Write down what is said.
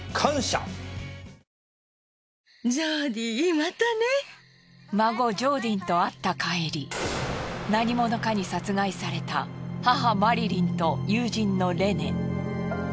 果たして孫ジョーディンと会った帰り何者かに殺害された母マリリンと友人のレネ。